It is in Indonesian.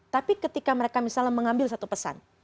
tapi ketika mereka misalnya mengambil satu pesan